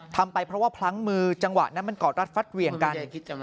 ทำไปเพราะว่าพลั้งมือจังหวะนั้นมันกอดรัดฟัดเหวี่ยงกัน